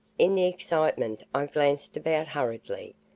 In the excitement I glanced about hurriedly.